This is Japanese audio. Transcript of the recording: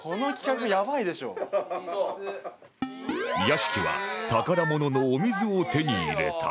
屋敷は宝物のお水を手に入れた